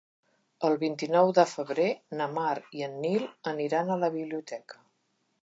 El vint-i-nou de febrer na Mar i en Nil aniran a la biblioteca.